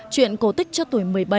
chuyện cổ tích cho tuổi một mươi bảy